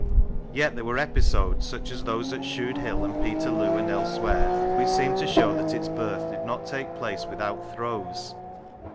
Yet there were episodes, such as those at Shude Hill and Peterloo and elsewhere, which seem to show that its birth did not take place without throes.